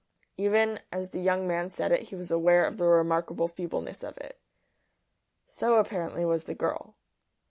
Even as the young man said it he was aware of the remarkable feebleness of it. So apparently was the girl.